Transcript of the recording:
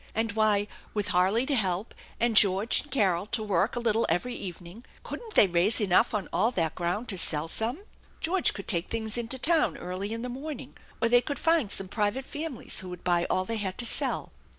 And why, with Harley to help, and George and Carol to work a little every evening, couldn't they raise enough on all that ground to sell some ? George could take things into town early in the morn ing, or they could find some private families who would buy all they had to sell.